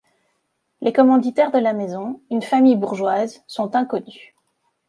Les commanditaires de la maison, une famille bourgeoise, sont inconnus.